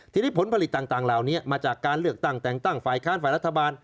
ทีนี้ผลผลิตต่างเหล่านี้มาจากการเลือกตั้งแต่งตั้งฝ่ายค้านฝ่ายรัฐบาล